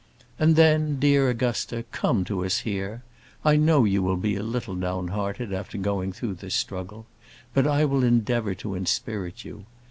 And then, dear Augusta, come to us here. I know you will be a little down hearted after going through this struggle; but I will endeavour to inspirit you.